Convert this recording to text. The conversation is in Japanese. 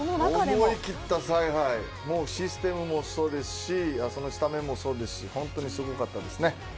思い切った采配システムもそうですしスタメンもそうですし本当にすごかったです。